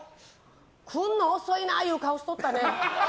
来んの遅いないう顔しとったね。